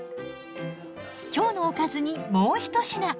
今日のおかずにもう一品。